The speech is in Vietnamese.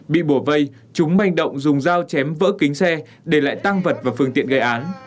bị bổ vây chúng manh động dùng dao chém vỡ kính xe để lại tăng vật và phương tiện gây án